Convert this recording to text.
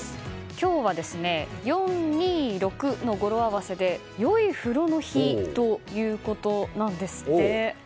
今日は４２６のごろ合わせでよい風呂の日ということなんですって。